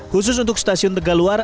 khusus untuk stasiun tegaluar